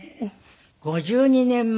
５２年前。